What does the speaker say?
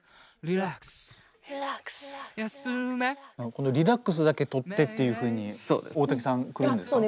この「リラックス」だけとってっていうふうに大瀧さんくるんですか？